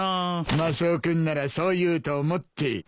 マスオ君ならそう言うと思って。